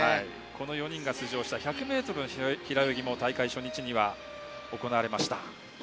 この４人が出場した１００ｍの平泳ぎも大会初日には行われました。